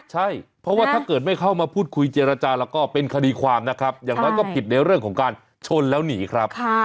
ใช่เพราะว่าถ้าเกิดไม่เข้ามาพูดคุยเจรจาแล้วก็เป็นคดีความนะครับอย่างน้อยก็ผิดในเรื่องของการชนแล้วหนีครับ